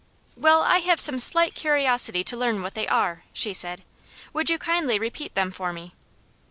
"Well, I have some slight curiosity to learn what they are," she said. "Would you kindly repeat them for me?"